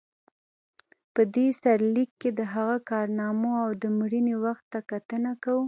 په دې سرلیک کې د هغه کارنامو او د مړینې وخت ته کتنه کوو.